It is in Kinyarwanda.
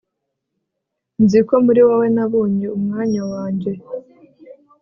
nzi ko muri wowe nabonye umwanya wanjye